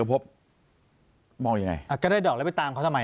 ปากกับภาคภูมิ